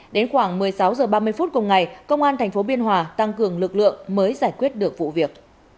đến khoảng một mươi sáu h ba mươi phút cùng ngày công an tp biên hòa tăng cường lực lượng mới giải quyết được vụ việc